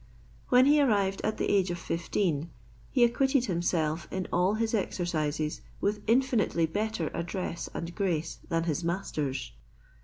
When he arrived at the age of fifteen, he acquitted himself in all his exercises with infinitely better address and grace than his masters.